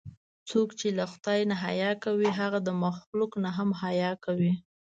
څوک چې له خدای نه حیا کوي، هغه د مخلوق نه هم حیا کوي.